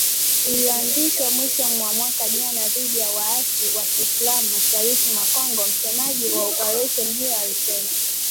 Iliyoanzishwa mwishoni mwa mwaka jana dhidi ya waasi wa kiislam mashariki mwa Congo msemaji wa operesheni hiyo alisema